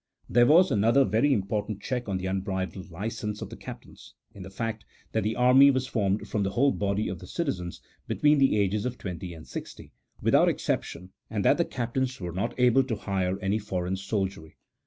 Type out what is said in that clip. There was another very important check on the unbridled license of the captains, in the fact, that the army was formed from the whole body of the citizens, between the ages of twenty and sixty, without exception, and that the captains were not able to hire any foreign soldiery.